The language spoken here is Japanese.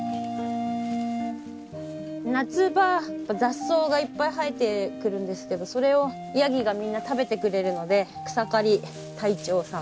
夏場雑草がいっぱい生えてくるんですけどそれをヤギがみんな食べてくれるので草刈り隊長さん。